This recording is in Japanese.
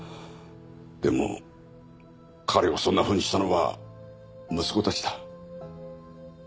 でも彼をそんなふうにしたのは息子たちだ。